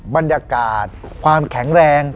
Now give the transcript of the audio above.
บรรยากาศความแข็งแรง